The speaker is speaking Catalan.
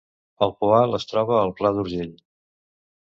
El Poal es troba al Pla d’Urgell